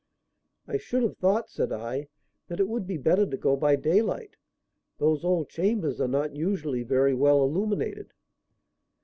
"I should have thought," said I, "that it would be better to go by daylight. Those old chambers are not usually very well illuminated."